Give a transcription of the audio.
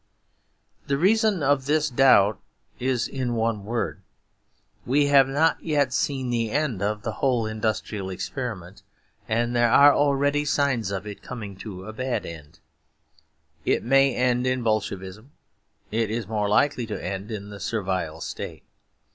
The reason of this doubt is in one word. We have not yet seen the end of the whole industrial experiment; and there are already signs of it coming to a bad end. It may end in Bolshevism. It is more likely to end in the Servile State.